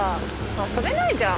遊べないじゃん。